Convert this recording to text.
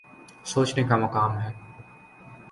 سوچنے کا مقام ہے۔